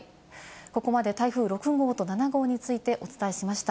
ここまで台風６号と７号についてお伝えしました。